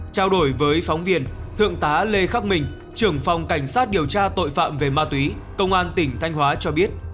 trao đổi với phóng viên thượng tá lê khắc minh trưởng phòng cảnh sát điều tra tội phạm về ma túy công an tỉnh thanh hóa cho biết